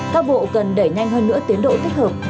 các bộ cần đẩy nhanh hơn nữa tiến độ tích hợp